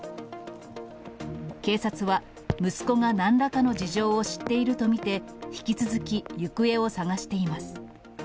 警察は、息子がなんらかの事情を知っていると見て、引き続き行方を捜しています。